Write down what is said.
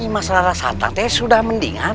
masalahnya santang teg sudah mendingan